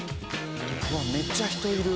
めっちゃ人いる。